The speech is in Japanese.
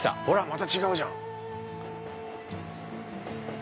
ほらまた違うじゃん。